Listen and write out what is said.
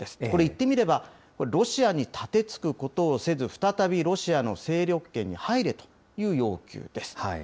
これ、言ってみれば、ロシアにたてつくことをせず、再びロシアの勢力圏に入れという要求です。